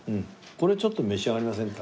これちょっと召し上がりませんか？